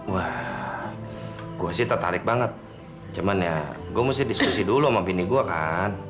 wah gue sih tertarik banget cuman ya gue mesti diskusi dulu sama bini gue kan